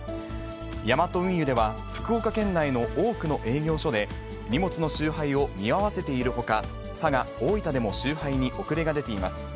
ヤマト運輸では、福岡県内の多くの営業所で、荷物の集配を見合わせているほか、佐賀、大分でも集配に遅れが出ています。